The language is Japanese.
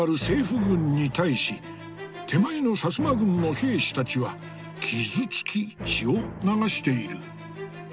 政府軍に対し手前の薩摩軍の兵士たちは傷つき血を流している。